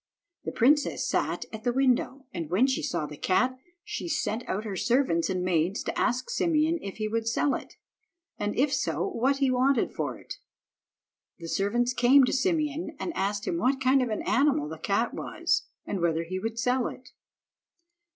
The princess sat at the window, and, when she saw the cat, she sent out her servants and maids to ask Simeon if he would sell it, and if so, what he wanted for it. The servants came to Simeon, and asked him what kind of animal the cat was, and whether he would sell it.